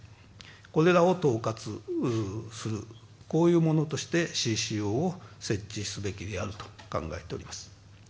これらを統括する、こういうものとしてＣＣＯを設置すべきであると考えております。